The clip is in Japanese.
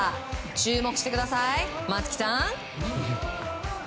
注目してください、松木さん。